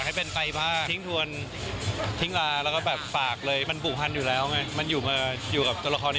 เห็นมั้ยคะ